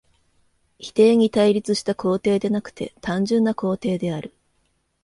否定に対立した肯定でなくて単純な肯定である。